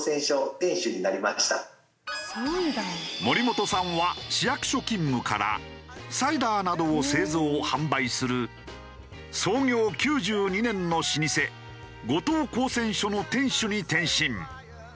森本さんは市役所勤務からサイダーなどを製造販売する創業９２年の老舗後藤鉱泉所の店主に転身。